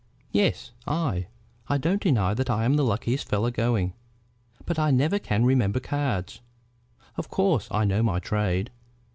"Yes; I. I don't deny that I'm the luckiest fellow going; but I never can remember cards. Of course I know my trade.